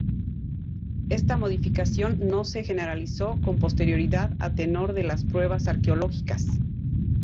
Esta modificación no se generalizó con posterioridad a tenor de las pruebas arqueológicas.